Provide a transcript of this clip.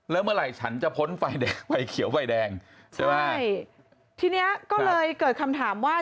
แล้วเมื่อไหร่ฉันจะพ้นไฟแดงไฟเขียวไฟแดงใช่ไหมใช่ทีเนี้ยก็เลยเกิดคำถามว่า